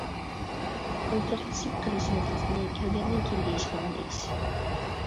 ئولتۇراقلىشىپ قېلىش مەسىلىسىنى كەلگەندىن كېيىن دېيىشىدىغان ئىش.